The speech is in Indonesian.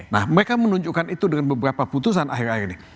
nah mereka menunjukkan itu dengan beberapa putusan akhir akhir ini